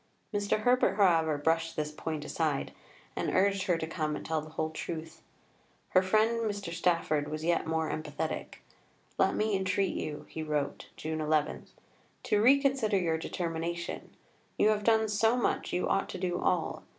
Mr. Herbert, however, brushed this point aside, and urged her to come and tell the whole truth. Her friend Mr. Stafford was yet more emphatic. "Let me entreat you," he wrote (June 11), "to reconsider your determination. You have done so much, you ought to do all.